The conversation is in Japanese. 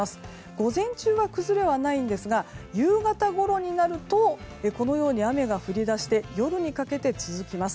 午前中は崩れはないんですが夕方ごろになると雨が降り出して夜にかけて続きます。